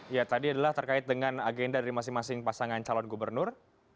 ya tadi adalah terkait dengan agenda dari masing masing pasangan calon gubernur